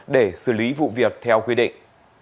để xử lý vụ việc theo quy định